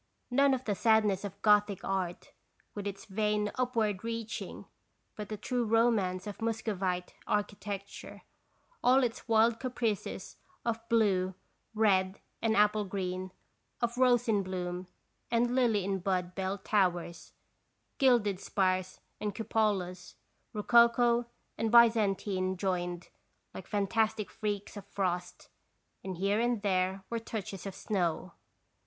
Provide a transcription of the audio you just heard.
None of the sadness of Gothic art, with its vain upward reaching, but the true romance of Muscovite architecture, all its wild caprices of blue, red, and apple green, of rose in bloom and lily in bud bell towers, gilded spires and cupolas, rococo and Byzantine joined, like fantastic freaks of frost, and here and there were touches of snow.